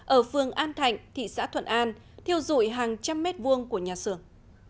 ở phường an thạnh thị xã thuận an thiêu dụi hàng trăm mét vuông của nhà xưởng